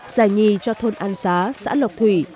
giải nhì cho thôn an giá xã lộc thủy